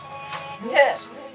ねえ。